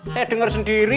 saya denger sendiri